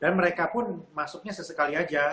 dan mereka pun masuknya sesekali aja